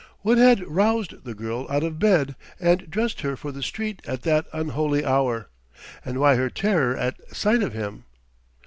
What had roused the girl out of bed and dressed her for the street at that unholy hour? And why her terror at sight of him?